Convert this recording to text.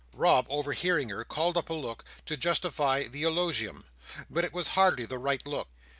Rob, overhearing her, called up a look, to justify the eulogium, but it was hardly the right look.